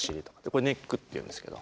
これネックっていうんですけど。